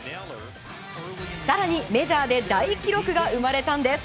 更にメジャーで大記録が生まれたんです。